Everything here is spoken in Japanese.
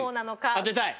当てたい。